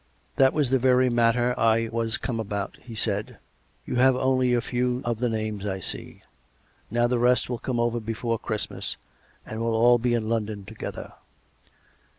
" That was the very matter I was come about," he said. " You have only a few of the names, I see. Now the rest will be over before Christmas, and will all be in London together."